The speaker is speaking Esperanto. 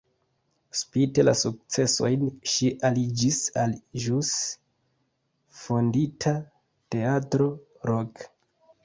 Spite la sukcesojn ŝi aliĝis al ĵus fondita "Teatro Rock".